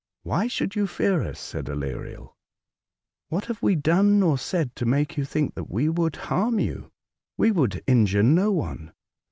"Why should you fear us?" said Aleriel. "What have we done or said t. make you think that we would harm you P We would injure no one.